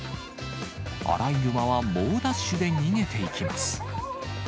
アライグマは猛ダッシュで逃げていきます。